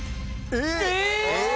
えっ！？